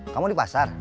kamu di pasar